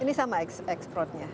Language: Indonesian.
ini sama eksplodnya